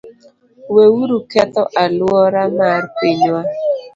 Weuru ketho alwora mar pinywa.